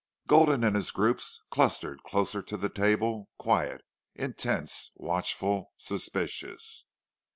Gulden and his groups clustered closer to the table, quiet, intense, watchful, suspicious.